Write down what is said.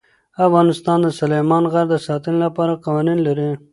افغانستان د سلیمان غر د ساتنې لپاره قوانین لري.